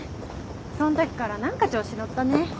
そのときから何か調子乗ったね。